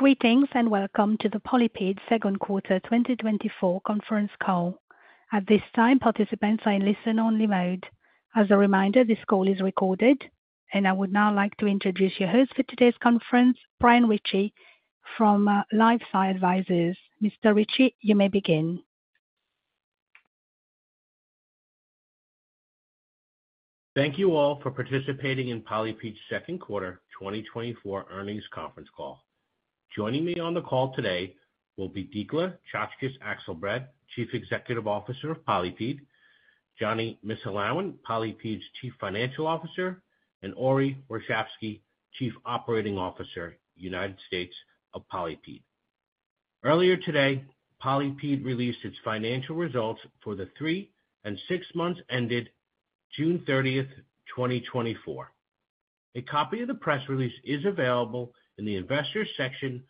Greetings, and welcome to the PolyPid Second Quarter 2024 Conference Call. At this time, participants are in listen-only mode. As a reminder, this call is recorded, and I would now like to introduce your host for today's conference, Brian Ritchie, from LifeSci Advisors. Mr. Ritchie, you may begin. Thank you all for participating in PolyPid's Second Quarter 2024 Earnings Conference Call. Joining me on the call today will be Dikla Czaczkes Akselbrad, Chief Executive Officer of PolyPid, Jonny Cohen, PolyPid's Chief Financial Officer, and Ori Warshavsky, Chief Operating Officer, United States, of PolyPid. Earlier today, PolyPid released its financial results for the three and six months ended June 30, 2024. A copy of the press release is available in the Investors section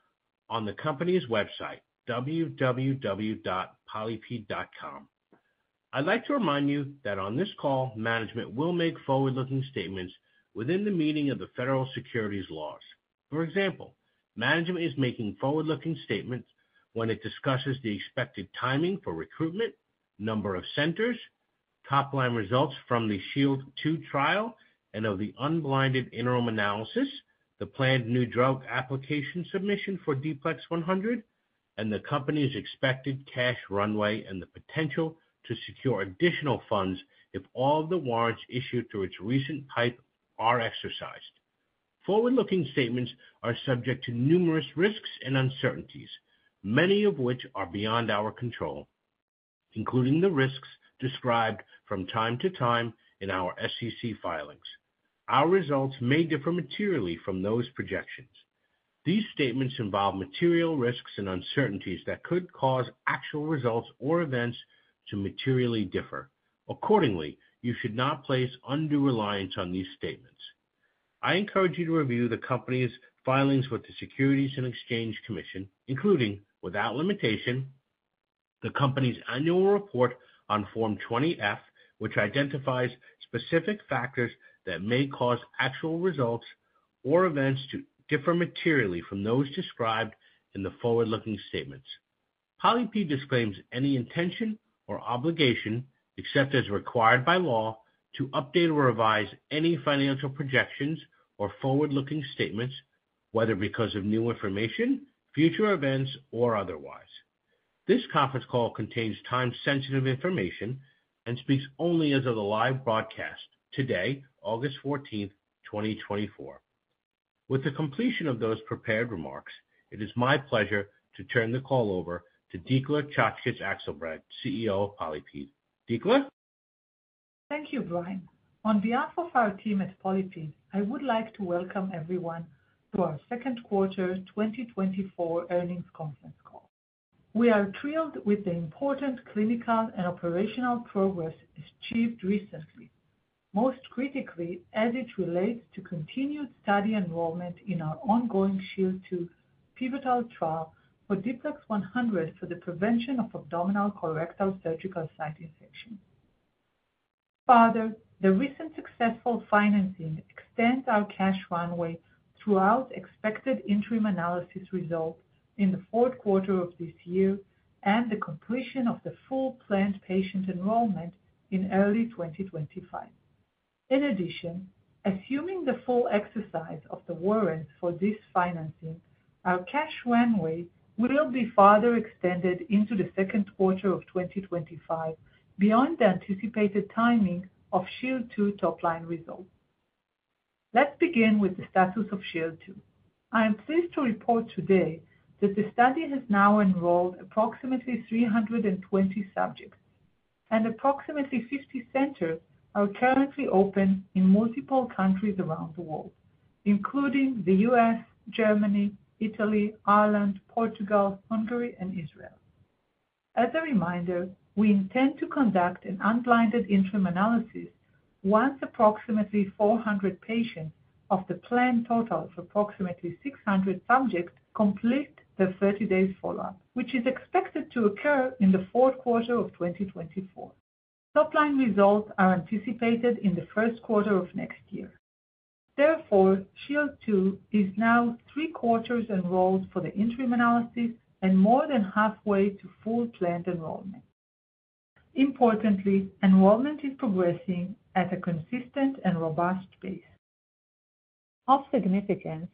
on the company's website, www.polypid.com. I'd like to remind you that on this call, management will make forward-looking statements within the meaning of the federal securities laws. For example, management is making forward-looking statements when it discusses the expected timing for recruitment, number of centers, top-line results from the SHIELD II trial, and of the unblinded interim analysis, the planned new drug application submission for D-PLEX100, and the company's expected cash runway, and the potential to secure additional funds if all the warrants issued through its recent PIPE are exercised. Forward-looking statements are subject to numerous risks and uncertainties, many of which are beyond our control, including the risks described from time to time in our SEC filings. Our results may differ materially from those projections. These statements involve material risks and uncertainties that could cause actual results or events to materially differ. Accordingly, you should not place undue reliance on these statements. I encourage you to review the company's filings with the Securities and Exchange Commission, including, without limitation, the company's annual report on Form 20-F, which identifies specific factors that may cause actual results or events to differ materially from those described in the forward-looking statements. PolyPid disclaims any intention or obligation, except as required by law, to update or revise any financial projections or forward-looking statements, whether because of new information, future events, or otherwise. This conference call contains time-sensitive information and speaks only as of the live broadcast today, August 14, 2024. With the completion of those prepared remarks, it is my pleasure to turn the call over to Dikla Czaczkes Akselbrad, CEO of PolyPid. Dikla? Thank you, Brian. On behalf of our team at PolyPid, I would like to welcome everyone to our Second Quarter 2024 Earnings Conference Call. We are thrilled with the important clinical and operational progress achieved recently, most critically as it relates to continued study enrollment in our ongoing SHIELD II pivotal trial for D-PLEX100 for the prevention of abdominal colorectal surgical site infection. Further, the recent successful financing extends our cash runway throughout expected interim analysis result in the fourth quarter of this year and the completion of the full planned patient enrollment in early 2025. In addition, assuming the full exercise of the warrants for this financing, our cash runway will be further extended into the second quarter of 2025, beyond the anticipated timing of SHIELD II top-line results. Let's begin with the status of SHIELD II. I am pleased to report today that the study has now enrolled approximately 320 subjects, and approximately 50 centers are currently open in multiple countries around the world, including the U.S., Germany, Italy, Ireland, Portugal, Hungary, and Israel. As a reminder, we intend to conduct an unblinded interim analysis once approximately 400 patients of the planned total of approximately 600 subjects complete the 30-day follow-up, which is expected to occur in the fourth quarter of 2024. Top-line results are anticipated in the first quarter of next year. Therefore, SHIELD II is now three quarters enrolled for the interim analysis and more than halfway to full planned enrollment. Importantly, enrollment is progressing at a consistent and robust pace. Of significance,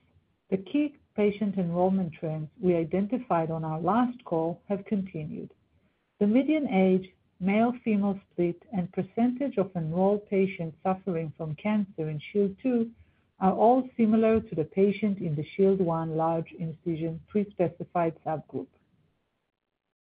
the key patient enrollment trends we identified on our last call have continued. The median age, male-female split, and percentage of enrolled patients suffering from cancer in SHIELD II are all similar to the patient in the SHIELD I large incision pre-specified subgroup.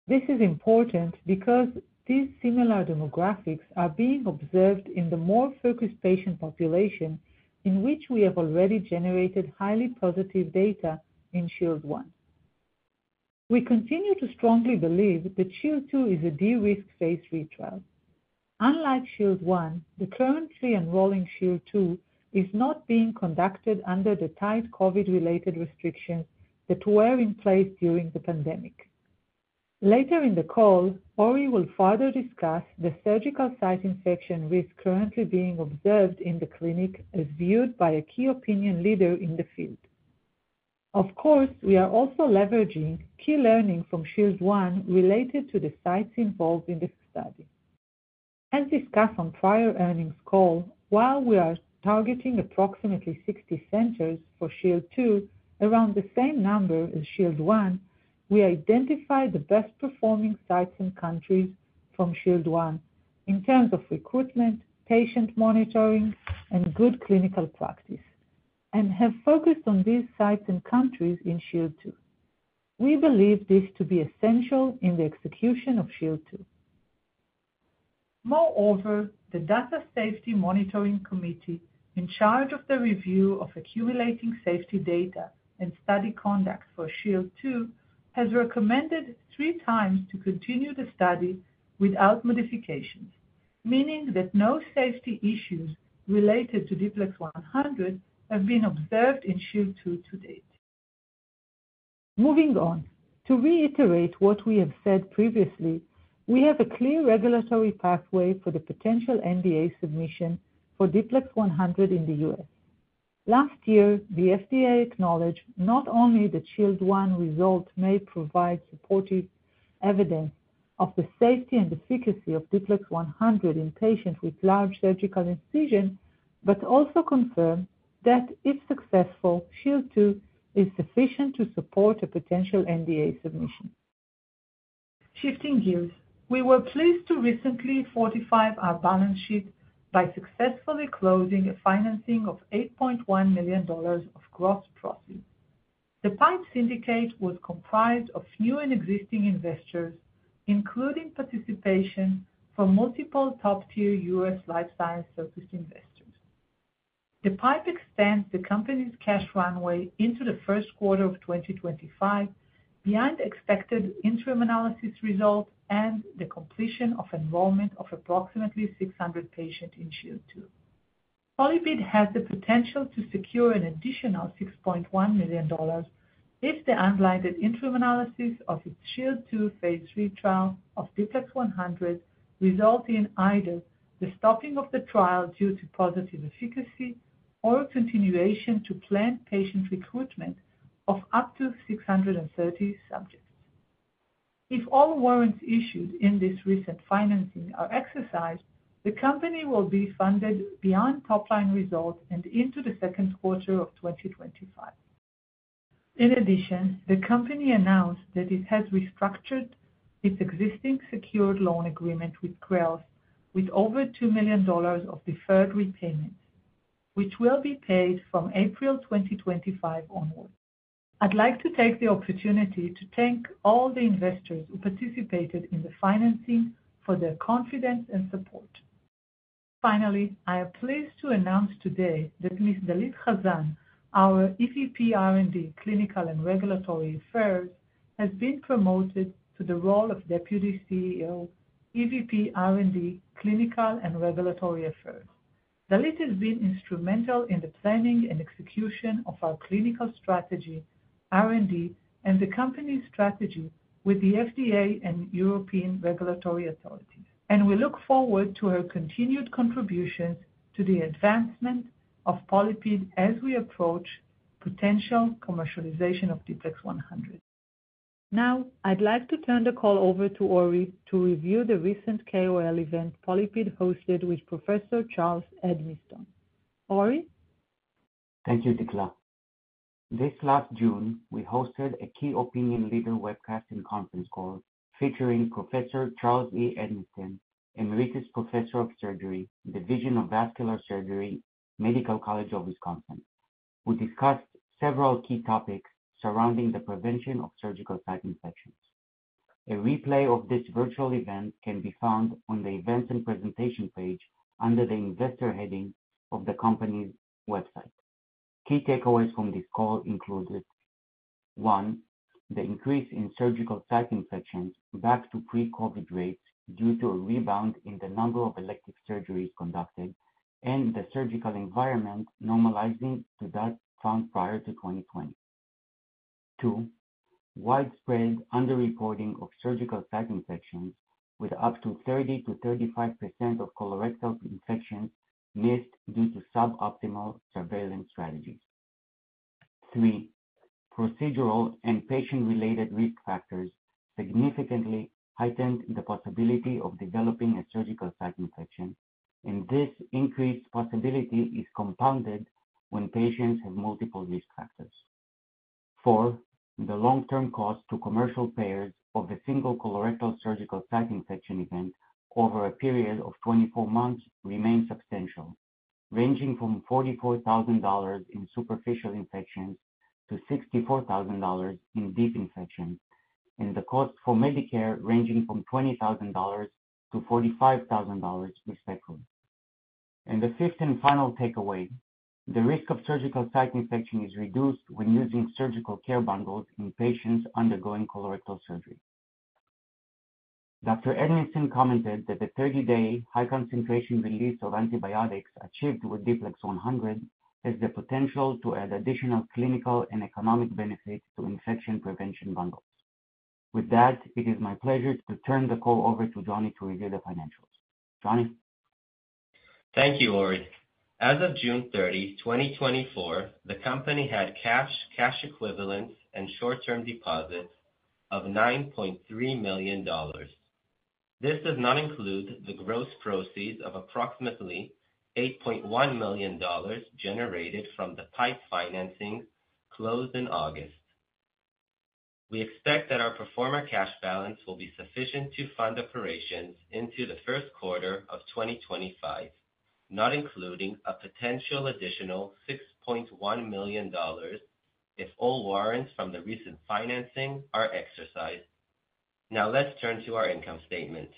This is important because these similar demographics are being observed in the more focused patient population in which we have already generated highly positive data in SHIELD I. We continue to strongly believe that SHIELD II is a de-risk phase III trial. Unlike SHIELD I, the currently enrolling SHIELD II is not being conducted under the tight COVID-related restrictions that were in place during the pandemic. Later in the call, Ori will further discuss the surgical site infection risk currently being observed in the clinic, as viewed by a key opinion leader in the field. Of course, we are also leveraging key learning from SHIELD I related to the sites involved in this study. As discussed on prior earnings call, while we are targeting approximately 60 centers for SHIELD II, around the same number as SHIELD I, we identified the best performing sites and countries from SHIELD I in terms of recruitment, patient monitoring, and good clinical practice, and have focused on these sites and countries in SHIELD II. We believe this to be essential in the execution of SHIELD II. Moreover, the Data Safety Monitoring Committee in charge of the review of accumulating safety data and study conduct for SHIELD II, has recommended 3x to continue the study without modifications. Meaning that no safety issues related to D-PLEX100 have been observed in SHIELD II to date. Moving on. To reiterate what we have said previously, we have a clear regulatory pathway for the potential NDA submission for D-PLEX100 in the U.S. Last year, the FDA acknowledged not only that SHIELD I result may provide supportive evidence of the safety and efficacy of D-PLEX100 in patients with large surgical incision, but also confirmed that if successful, SHIELD II is sufficient to support a potential NDA submission. Shifting gears, we were pleased to recently fortify our balance sheet by successfully closing a financing of $8.1 million of gross proceeds. The PIPE syndicate was comprised of new and existing investors, including participation from multiple top-tier U.S. life science focused investors. The PIPE extends the company's cash runway into the first quarter of 2025, beyond expected interim analysis results and the completion of enrollment of approximately 600 patients in SHIELD II. PolyPid has the potential to secure an additional $6.1 million if the unblinded interim analysis of its SHIELD II, Phase III trial of D-PLEX100 results in either the stopping of the trial due to positive efficacy or continuation to planned patient recruitment of up to 630 subjects. If all warrants issued in this recent financing are exercised, the company will be funded beyond top-line results and into the second quarter of 2025. In addition, the company announced that it has restructured its existing secured loan agreement with Kreos, with over $2 million of deferred repayment, which will be paid from April 2025 onwards. I'd like to take the opportunity to thank all the investors who participated in the financing for their confidence and support. Finally, I am pleased to announce today that Ms. Dalit Hazan, our EVP, R&D, Clinical and Regulatory Affairs, has been promoted to the role of Deputy CEO, EVP, R&D, Clinical and Regulatory Affairs. Dalit has been instrumental in the planning and execution of our clinical strategy, R&D, and the company's strategy with the FDA and European regulatory authorities, and we look forward to her continued contributions to the advancement of PolyPid as we approach potential commercialization of D-PLEX100. Now, I'd like to turn the call over to Ori to review the recent KOL event PolyPid hosted with Professor Charles Edmiston. Ori? Thank you, Dikla. This last June, we hosted a key opinion leader webcast and conference call featuring Professor Charles E. Edmiston, Emeritus Professor of Surgery, Division of Vascular Surgery, Medical College of Wisconsin. We discussed several key topics surrounding the prevention of surgical site infections. A replay of this virtual event can be found on the Events and Presentations page under the Investor heading of the company's website. Key takeaways from this call included: one, the increase in surgical site infections back to pre-COVID rates due to a rebound in the number of elective surgeries conducted and the surgical environment normalizing to that found prior to 2020. Two, widespread underreporting of surgical site infections, with up to 30%-35% of colorectal infections missed due to suboptimal surveillance strategies. Three, procedural and patient-related risk factors significantly heightened the possibility of developing a surgical site infection, and this increased possibility is compounded when patients have multiple risk factors. Four, the long-term cost to commercial payers of a single colorectal surgical site infection event over a period of 24 months remains substantial, ranging from $44,000 in superficial infections to $64,000 in deep infections, and the cost for Medicare ranging from $20,000-$45,000, respectively. The fifth and final takeaway, the risk of surgical site infection is reduced when using surgical care bundles in patients undergoing colorectal surgery. Dr. Edmiston commented that the 30-day high concentration release of antibiotics achieved with D-PLEX100 has the potential to add additional clinical and economic benefits to infection prevention bundles. With that, it is my pleasure to turn the call over to Jonny to review the financials. Jonny? Thank you, Ori. As of June 30, 2024, the company had cash, cash equivalents, and short-term deposits of $9.3 million. This does not include the gross proceeds of approximately $8.1 million generated from the PIPE financing closed in August. We expect that our pro forma cash balance will be sufficient to fund operations into the first quarter of 2025, not including a potential additional $6.1 million if all warrants from the recent financing are exercised. Now let's turn to our income statement.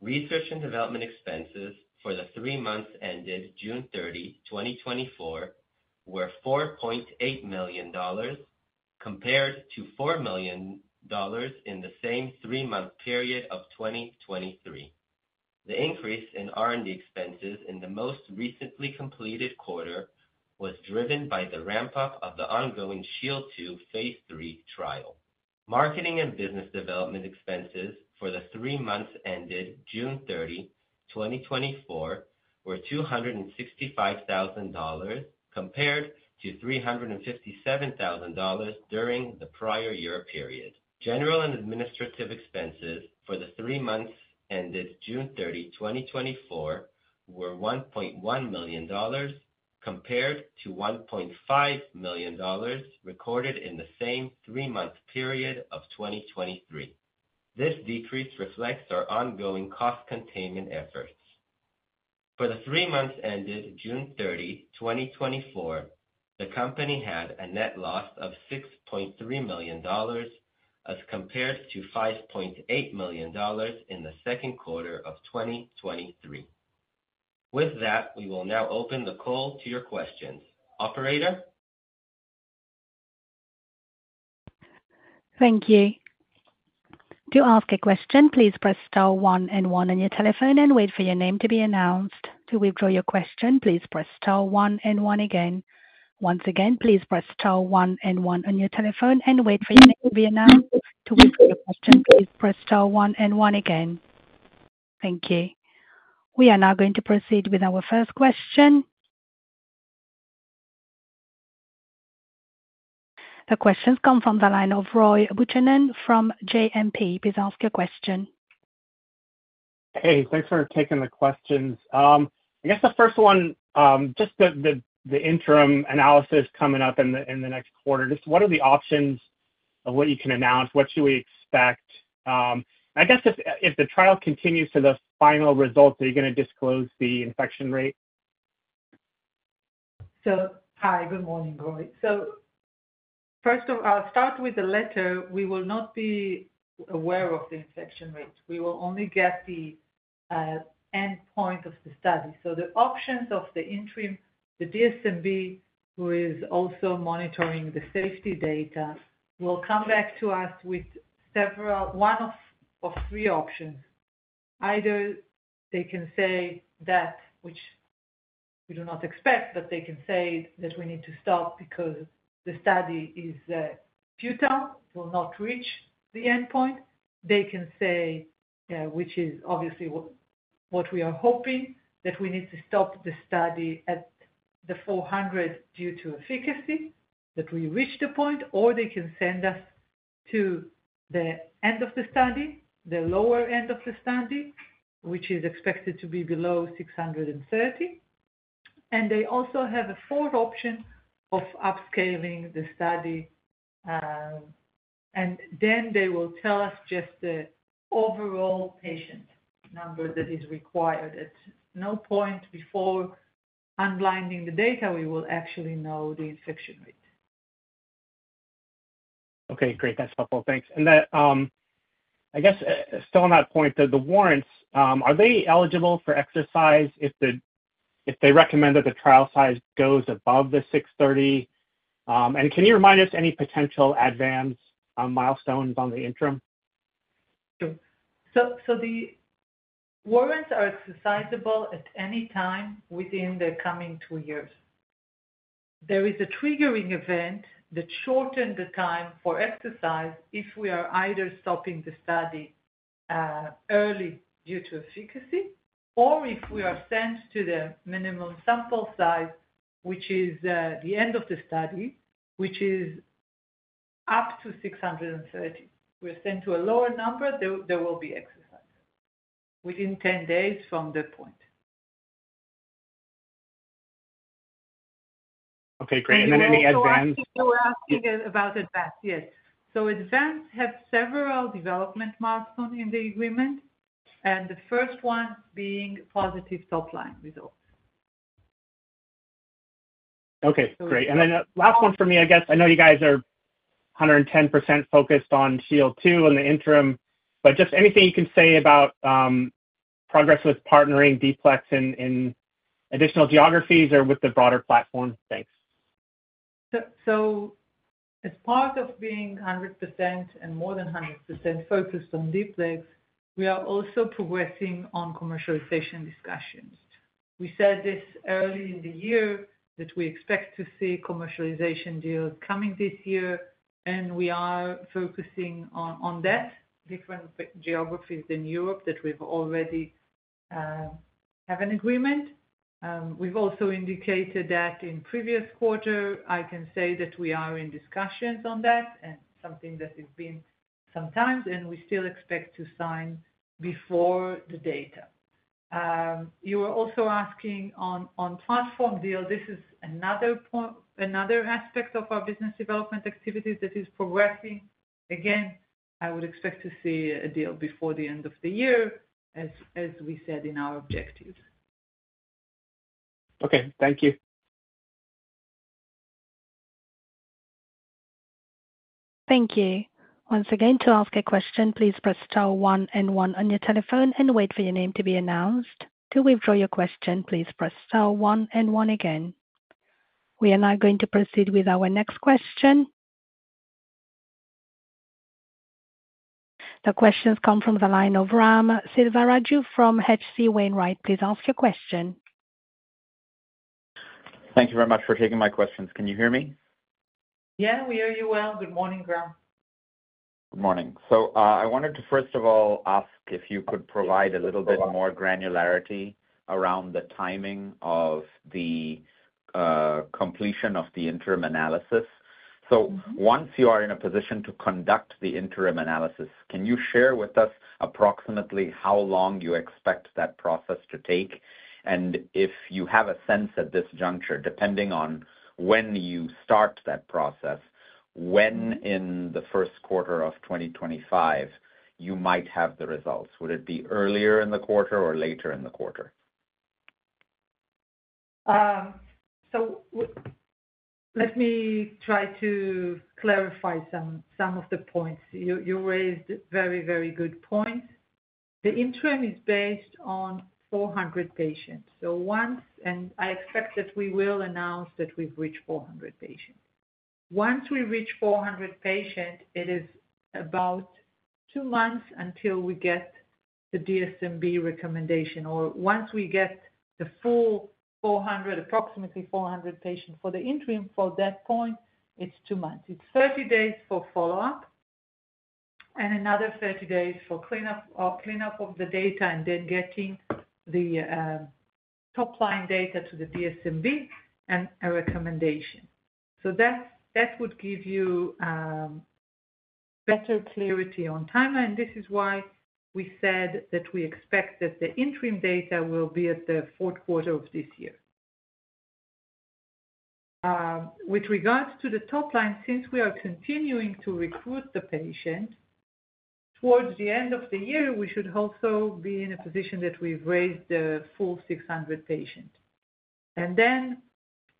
Research and development expenses for the three months ended June 30, 2024, were $4.8 million, compared to $4 million in the same three-month period of 2023. The increase in R&D expenses in the most recently completed quarter was driven by the ramp-up of the ongoing SHIELD II, Phase III trial. Marketing and business development expenses for the three months ended June 30, 2024, were $265,000, compared to $357,000 during the prior year period. General and administrative expenses for the three months ended June 30, 2024, were $1.1 million, compared to $1.5 million recorded in the same three-month period of 2023. This decrease reflects our ongoing cost containment efforts. For the three months ended June 30, 2024, the company had a net loss of $6.3 million, as compared to $5.8 million in the second quarter of 2023. With that, we will now open the call to your questions. Operator? Thank you. To ask a question, please press star one and one on your telephone and wait for your name to be announced. To withdraw your question, please press star one and one again. Once again, please press star one and one on your telephone and wait for your name to be announced. To withdraw your question, please press star one and one again. Thank you. We are now going to proceed with our first question. The question comes from the line of Roy Buchanan from JMP. Please ask your question. Hey, thanks for taking the questions. I guess the first one, just the interim analysis coming up in the next quarter. Just what are the options of what you can announce? What should we expect? I guess if the trial continues to the final results, are you going to disclose the infection rate? So hi, good morning, Roy. So first, I'll start with the letter. We will not be aware of the infection rate. We will only get the endpoint of the study. So the options of the interim, the DSMB, who is also monitoring the safety data, will come back to us with several. One of three options. Either they can say that, which we do not expect, but they can say that we need to stop because the study is futile, will not reach the endpoint. They can say, which is obviously what we are hoping, that we need to stop the study at the 400 due to efficacy, that we reach the point, or they can send us to the end of the study, the lower end of the study, which is expected to be below 630. They also have a fourth option of upscaling the study, and then they will tell us just the overall patient number that is required. At no point before unblinding the data, we will actually know the infection rate. Okay, great. That's helpful. Thanks. And then, I guess, still on that point, the warrants, are they eligible for exercise if they recommend that the trial size goes above the 630? And can you remind us any potential advance on milestones on the interim? Sure. So, the warrants are exercisable at any time within the coming two years. There is a triggering event that shortened the time for exercise if we are either stopping the study early due to efficacy or if we are sent to the minimum sample size, which is the end of the study, which is up to 630. We're sent to a lower number, there will be exercise within 10 days from that point. Okay, great. And then any ADVANZ? You were asking about ADVANZ. Yes. So ADVANZ have several development milestones in the agreement, and the first one being positive top-line results. Okay, great. And then last one for me. I guess I know you guys are 110% focused on SHIELD II in the interim, but just anything you can say about, progress with partnering D-PLEX100 in, in additional geographies or with the broader platform? Thanks. So as part of being 100% and more than 100% focused on D-PLEX100, we are also progressing on commercialization discussions. We said this early in the year, that we expect to see commercialization deals coming this year, and we are focusing on that, different geographies in Europe that we've already have an agreement. We've also indicated that in previous quarter, I can say that we are in discussions on that, and something that has been some time, and we still expect to sign before the data. You were also asking on transformational deal. This is another point, another aspect of our business development activities that is progressing. Again, I would expect to see a deal before the end of the year, as we said in our objectives. Okay, thank you. Thank you. Once again, to ask a question, please press star one and one on your telephone and wait for your name to be announced. To withdraw your question, please press star one and one again. We are now going to proceed with our next question. The question comes from the line of Ram Selvaraju from H.C. Wainwright. Please ask your question. Thank you very much for taking my questions. Can you hear me? Yeah, we hear you well. Good morning, Ram. Good morning. So, I wanted to, first of all, ask if you could provide a little bit more granularity around the timing of the completion of the interim analysis? So once you are in a position to conduct the interim analysis, can you share with us approximately how long you expect that process to take? And if you have a sense at this juncture, depending on when you start that process, when in the first quarter of 2025 you might have the results? Would it be earlier in the quarter or later in the quarter? So let me try to clarify some of the points. You raised very good points. The interim is based on 400 patients. And I expect that we will announce that we've reached 400 patients. Once we reach 400 patients, it is about two months until we get the DSMB recommendation, or once we get the full 400, approximately 400 patients for the interim, for that point, it's two months. It's 30 days for follow-up, and another 30 days for cleanup of the data and then getting the top-line data to the DSMB and a recommendation. So that would give you better clarity on timeline. This is why we said that we expect that the interim data will be at the fourth quarter of this year. With regards to the top line, since we are continuing to recruit the patient, towards the end of the year, we should also be in a position that we've raised the full 600 patients. And then,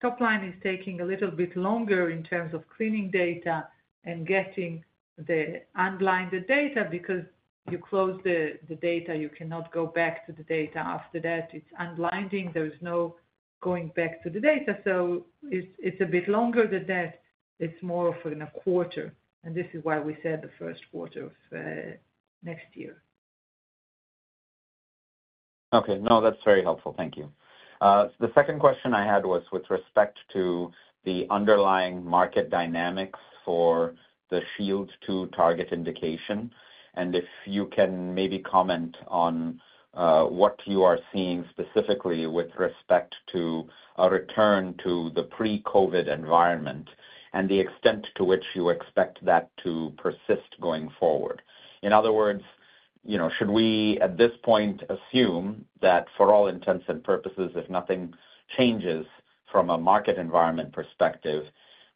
top line is taking a little bit longer in terms of cleaning data and getting the unblinded data, because you close the data, you cannot go back to the data. After that, it's unblinding. There is no going back to the data. So it's a bit longer than that. It's more of in a quarter, and this is why we said the first quarter of next year. Okay. Now, that's very helpful. Thank you. The second question I had was with respect to the underlying market dynamics for the SHIELD II target indication, and if you can maybe comment on, what you are seeing specifically with respect to a return to the pre-COVID environment and the extent to which you expect that to persist going forward. In other words, you know, should we, at this point, assume that for all intents and purposes, if nothing changes from a market environment perspective,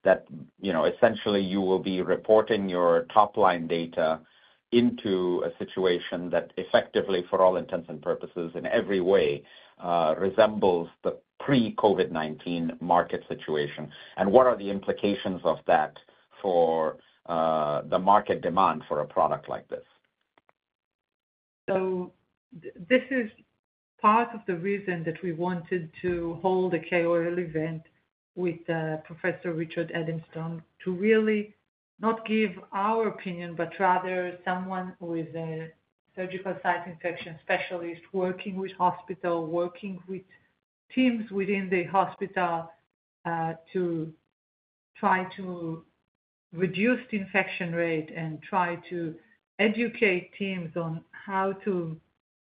that, you know, essentially you will be reporting your top-line data into a situation that effectively, for all intents and purposes, in every way, resembles the pre-COVID-19 market situation? And what are the implications of that for, the market demand for a product like this? So this is part of the reason that we wanted to hold a KOL event with Professor Charles E. Edmiston, to really not give our opinion, but rather someone with a surgical site infection specialist, working with hospital, working with teams within the hospital, to try to reduce the infection rate and try to educate teams on how to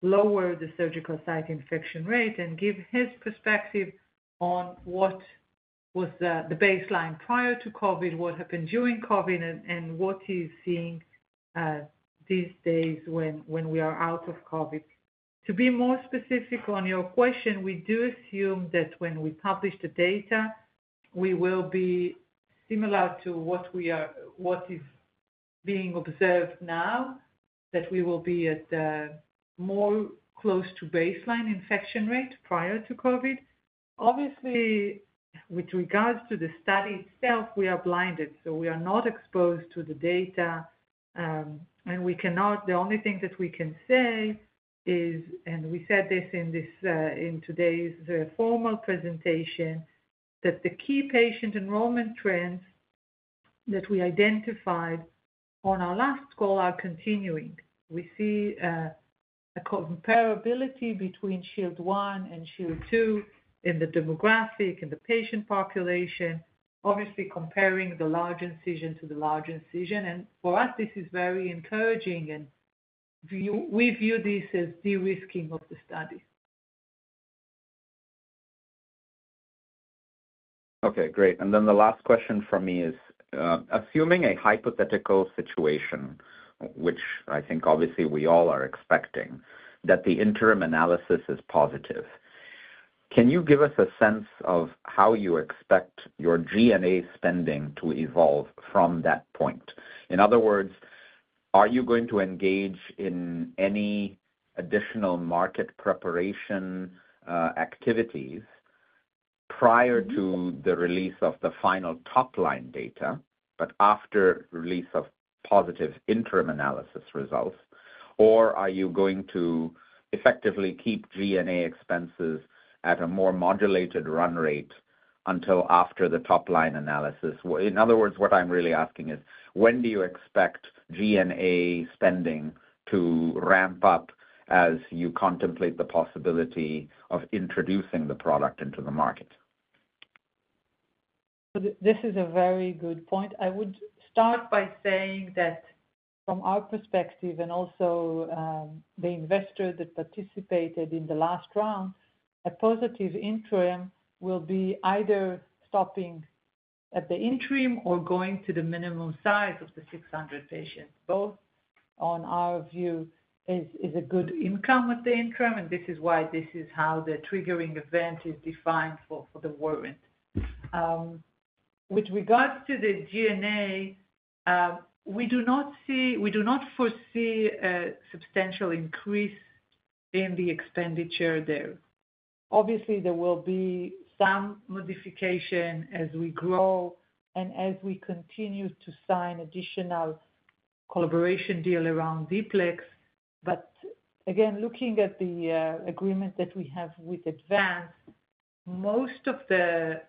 lower the surgical site infection rate and give his perspective on what was the baseline prior to COVID, what happened during COVID, and what he's seeing these days when we are out of COVID. To be more specific on your question, we do assume that when we publish the data, we will be similar to what we are—what is being observed now, that we will be at the more close to baseline infection rate prior to COVID. Obviously, with regards to the study itself, we are blinded, so we are not exposed to the data, and we cannot. The only thing that we can say is, and we said this in this, in today's formal presentation, that the key patient enrollment trends that we identified on our last call are continuing. We see a comparability between SHIELD I and SHIELD II in the demographic, in the patient population, obviously comparing the large incision to the large incision. And for us, this is very encouraging, and we view this as de-risking of the study. Okay, great. And then the last question from me is, assuming a hypothetical situation, which I think obviously we all are expecting, that the interim analysis is positive, can you give us a sense of how you expect your G&A spending to evolve from that point? In other words, are you going to engage in any additional market preparation, activities prior to the release of the final top-line data, but after release of positive interim analysis results? Or are you going to effectively keep G&A expenses at a more modulated run rate until after the top-line analysis? In other words, what I'm really asking is, when do you expect G&A spending to ramp up as you contemplate the possibility of introducing the product into the market? This is a very good point. I would start by saying that from our perspective, and also, the investor that participated in the last round, a positive interim will be either stopping at the interim or going to the minimum size of 600 patients. Both, on our view, is, is a good income with the interim, and this is why this is how the triggering event is defined for, for the warrant. With regards to the NDA, we do not see we do not foresee a substantial increase in the expenditure there. Obviously, there will be some modification as we grow and as we continue to sign additional collaboration deal around D-PLEX100. But again, looking at the agreement that we have with ADVANZ, most of the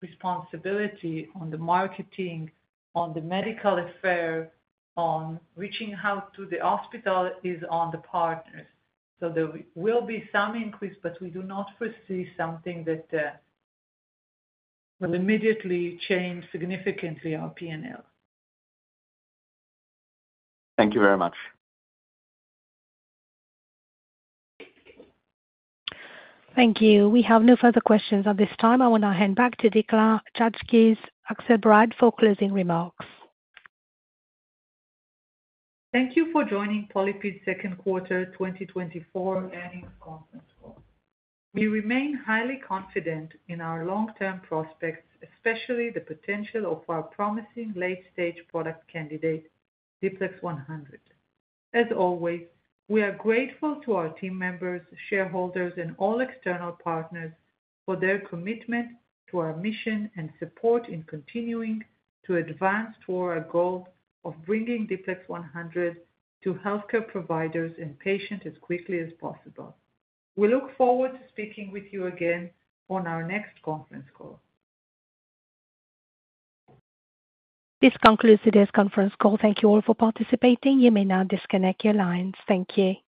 responsibility on the marketing, on the medical affairs, on reaching out to the hospital, is on the partners. So there will be some increase, but we do not foresee something that will immediately change significantly our P&L. Thank you very much. Thank you. We have no further questions at this time. I will now hand back to Dikla Czaczkes Akselbrad for closing remarks. Thank you for joining PolyPid's second quarter 2024 earnings conference call. We remain highly confident in our long-term prospects, especially the potential of our promising late-stage product candidate, D-PLEX100. As always, we are grateful to our team members, shareholders, and all external partners for their commitment to our mission and support in continuing to advance toward our goal of bringing D-PLEX100 to healthcare providers and patient as quickly as possible. We look forward to speaking with you again on our next conference call. This concludes today's conference call. Thank you all for participating. You may now disconnect your lines. Thank you.